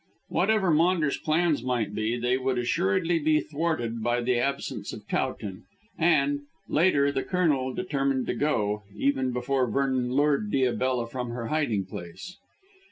Whatever Maunders' plans might be, they would assuredly be thwarted by the absence of Towton, and, later, the Colonel determined to go, even before Vernon lured Diabella from her hiding place.